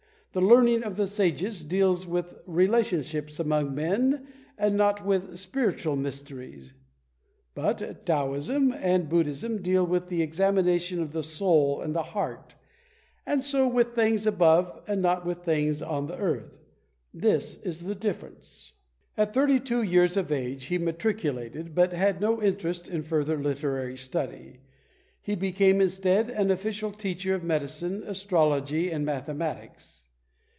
The learning of the Sages deals with relationships among men and not with spiritual mysteries; but Taoism and Buddhism deal with the examination of the soul and the heart, and so with things above and not with things on the earth. This is the difference." At thirty two years of age he matriculated, but had no interest in further literary study. He became, instead, an official teacher of medicine, astrology and mathematics.